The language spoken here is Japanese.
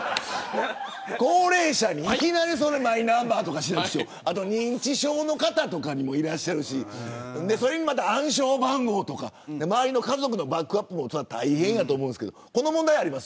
高齢者にいきなりマイナンバーとか認知症の方もいらっしゃるしそれでまた暗証番号とか家族のバックアップも大変だと思います。